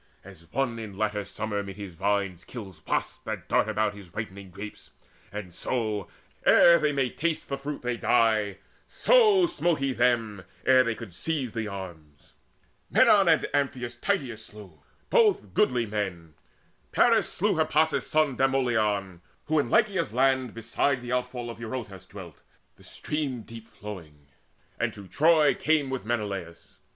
As one in latter summer 'mid his vines Kills wasps that dart about his ripening grapes, And so, ere they may taste the fruit, they die; So smote he them, ere they could seize the arms. Menon and Amphinous Tydeides slew, Both goodly men. Paris slew Hippasus' son Demoleon, who in Laconia's land Beside the outfall of Eurotas dwelt, The stream deep flowing, and to Troy he came With Menelaus.